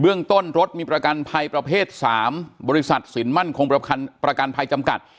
เรื่องต้นรถมีประกันภัยประเภท๓บริษัทสินมั่นคงประกันภัยจำกัด